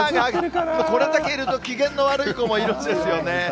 これだけいると、機嫌の悪い子もいるんですよね。